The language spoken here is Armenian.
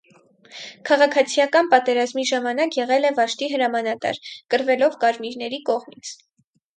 Քաղաքացիական պատերազմի ժամանակ եղել է վաշտի հրամանատար՝ կռվելով կարմիրների կողմից։